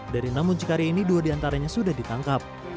dari enam muncikari ini dua diantaranya sudah ditangkap